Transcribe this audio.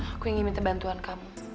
aku ingin minta bantuan kamu